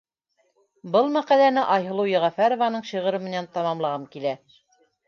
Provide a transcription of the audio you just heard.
Был мәҡәләне Айһылыу Йәғәфәрованың шиғыры менән тамамлағым килә.